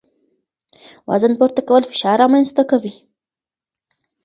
وزن پورته کول فشار رامنځ ته کوي.